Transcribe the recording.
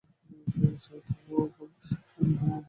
ওভাবে রাখলে তোমার ভাইয়ের অসুবিধা হবে।